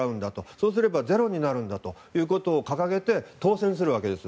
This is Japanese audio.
そうすればゼロになるんだということを掲げて当選するわけです。